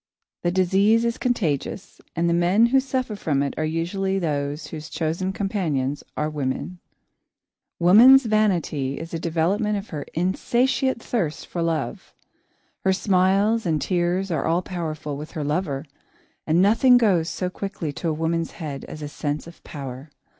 The disease is contagious, and the men who suffer from it are usually those whose chosen companions are women. Woman's vanity is a development of her insatiate thirst for love. Her smiles and tears are all powerful with her lover, and nothing goes so quickly to a woman's head as a sense of power.